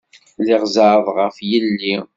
Lliɣ zeɛɛḍeɣ ɣef yelli.